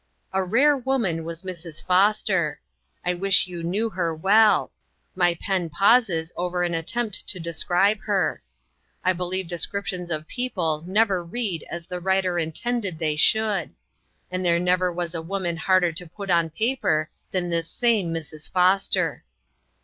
A rare woman was Mrs. Foster. I wish you knew her well ; my pen pauses over an attempt to describe her. I believe de scriptions of people never read as the writer intended they should; and there never was a woman harder to put on paper than this same Mrs. Foster.